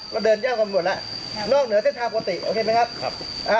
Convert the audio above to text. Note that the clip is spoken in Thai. เราเดินยากกว่าหมดละนอกเหลืองเส้นทางปกติโอเคไหมครับ